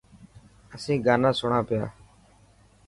اسين گانا سڻان پيا.